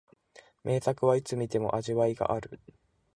名作はいつ観ても味わいがある